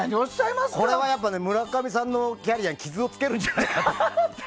これは村上さんのキャリアに傷をつけるんじゃないかと。